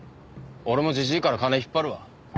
俺もジジイから金引っ張るわ。